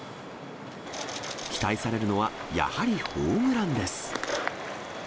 期待されるのは、やはりホームランです。